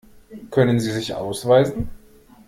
Können Sie sich ausweisen?